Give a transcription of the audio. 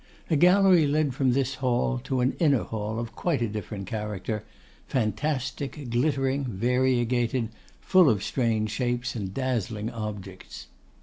A gallery led from this hall to an inner hall of quite a different character; fantastic, glittering, variegated; full of strange shapes and dazzling objects.